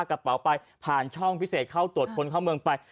กระเป๋าไปผ่านช่องพิเศษเข้าตรวจคนเข้าเมืองไป